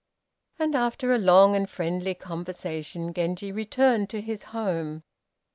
And, after a long and friendly conversation, Genji returned to his home.